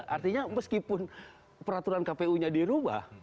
artinya meskipun peraturan kpu nya dirubah